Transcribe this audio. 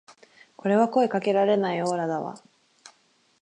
これは声かけられないオーラだわ